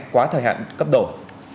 quá thời hạn cấp đổi